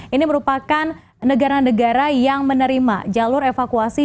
ini merupakan negara negara yang menerima jalur evakuasi